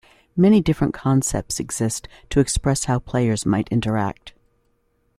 Many different concepts exist to express how players might interact.